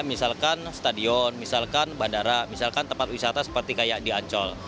misalkan stadion misalkan bandara misalkan tempat wisata seperti kayak di ancol